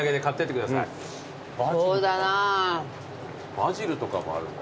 バジルとかもあるんだ。